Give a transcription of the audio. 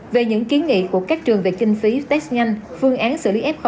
về những kiến nghị của các trường về kinh phí test nhanh phương án xử lý f hai